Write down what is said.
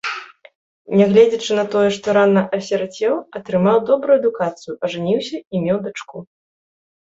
Нягледзячы на тое, што рана асірацеў, атрымаў добрую адукацыю, ажаніўся і меў дачку.